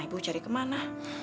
ibu cari kemana